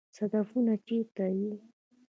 صدفونه چیرته وي؟